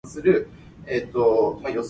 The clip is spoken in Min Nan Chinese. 食飽閒閒拍胡蠅